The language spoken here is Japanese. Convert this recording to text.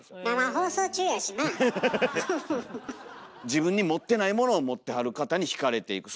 自分に持ってないものを持ってはる方に惹かれていく。